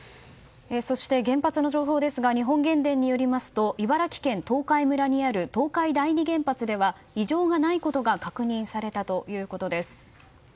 そして原発の情報ですが日本原電によりますと茨城県東海村にある東海第二原発では異常がないことが確認されたということです。